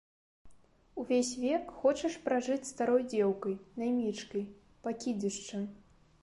Увесь век хочаш пражыць старой дзеўкай, наймічкай, пакідзішчам.